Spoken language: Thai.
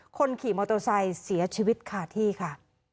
คนข่าวโมทอไซค์เสียชีวิตค่าที่ค่ะ